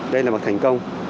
đây là một thành công